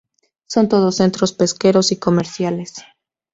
Son todos centros pesqueros y comerciales.